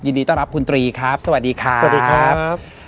ยินดีต้อนรับคุณตรีครับสวัสดีครับสวัสดีครับ